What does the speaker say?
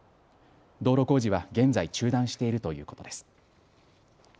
道路工事は現在、中断しているということです。